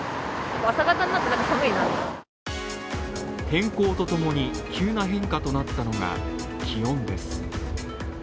天候とともに、急な変化となったのが気温です。